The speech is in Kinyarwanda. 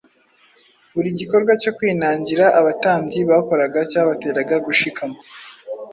buri gikorwa cyo kwinangira abatambyi bakoraga cyabateraga gushikama